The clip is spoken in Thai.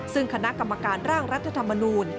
ซึ่งคณะกรรมการร่างรัฐธรรมนูล